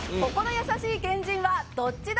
優しい県人はどっちだ！？